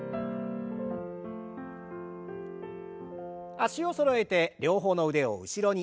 脚をそろえて両方の腕を後ろに。